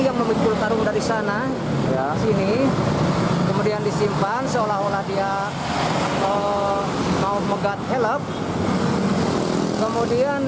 yang memikul karung dari sana ya sini kemudian disimpan seolah olah dia mau megat helm kemudian